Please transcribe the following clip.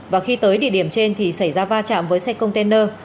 và khi tới địa điểm trên thì xảy ra va chạm với xe container